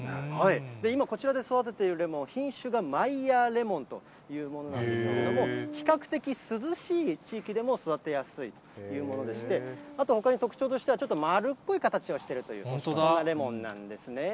今、こちらで育てているレモン、品種がマイヤーレモンというものなんですけども、比較的、涼しい地域でも育てやすいというものでして、あとほかに特徴としては、ちょっと丸っこい形をしているというレモンなんですね。